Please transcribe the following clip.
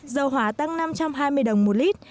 dầu hỏa tăng năm trăm hai mươi đồng một lít